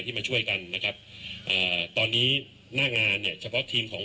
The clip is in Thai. มาช่วยกันนะครับอ่าตอนนี้หน้างานเนี่ยเฉพาะทีมของ